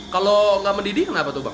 kalau nggak mendidih kenapa tuh bang